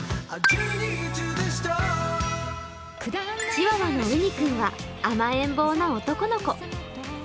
チワワのうに君は甘えん坊の男の子。